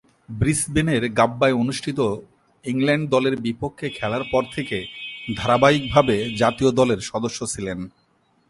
ব্রিসবেনের গাব্বায় অনুষ্ঠিত ইংল্যান্ড দলের বিপক্ষে খেলার পর থেকে ধারাবাহিকভাবে জাতীয় দলের সদস্য ছিলেন।